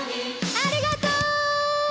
ありがとう！